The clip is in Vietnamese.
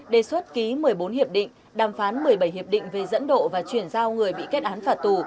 đề xuất ký một mươi bốn hiệp định đàm phán một mươi bảy hiệp định về dẫn độ và chuyển giao người bị kết án phạt tù